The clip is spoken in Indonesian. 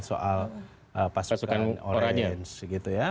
soal pasukan orangnya